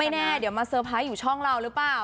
แน่เดี๋ยวมาเตอร์ไพรส์อยู่ช่องเราหรือเปล่า